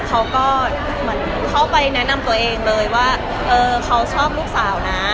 เขาก็เหมือนเข้าไปแนะนำตัวเองเลยว่าเขาชอบลูกสาวนะ